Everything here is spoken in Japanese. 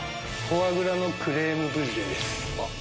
フォアグラのクレームブリュレです。